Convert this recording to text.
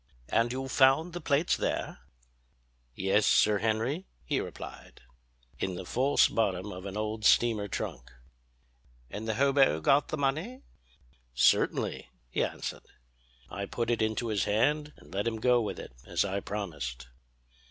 "And you found the plates there?" "Yes, Sir Henry," he replied, "in the false bottom of an old steamer trunk." "And the hobo got the money?" "Certainly," he answered. "I put it into his hand, and let him go with it, as I promised."